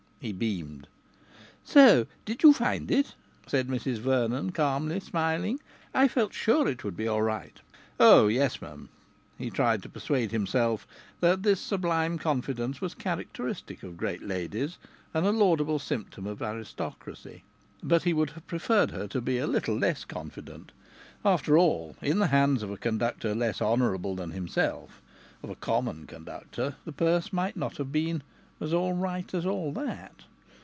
He beamed. "So you did find it?" said Mrs Vernon, calmly smiling. "I felt sure it would be all right." "Oh, yes, m'm." He tried to persuade himself that this sublime confidence was characteristic of great ladies, and a laudable symptom of aristocracy. But he would have preferred her to be a little less confident. After all, in the hands of a conductor less honourable than himself, of a common conductor, the purse might not have been so "all right" as all that!